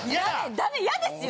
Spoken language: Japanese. ダメ嫌ですよ